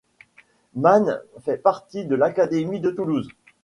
Mane fait partie de l'académie de Toulouse.